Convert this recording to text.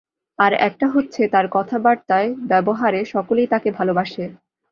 আর একটা হচ্ছে, তার কথাবার্তায় ব্যবহারে সকলেই তাকে ভালোবাসে।